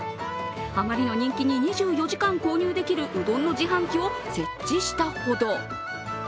あまりの人気に２４時間購入できるうどんの自販機を設置したほど。